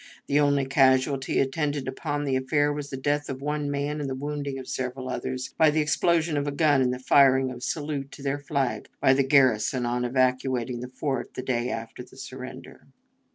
The only casualty attendant upon the affair was the death of one man and the wounding of several others by the explosion of a gun in the firing of a salute to their flag by the garrison on evacuating the fort the day after the surrender.